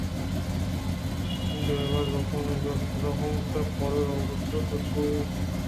آدگہ زحمے نہ جنت پدا ہما سرکاری رَہبندے ءِ پنت ءُسوجانی رد ءَ روگ کپیت